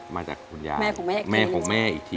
มาจากคุณยายแม่ของแม่อีกที